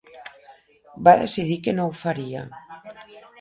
va decidir que no ho faria.